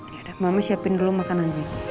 yaudah mama siapin dulu makanannya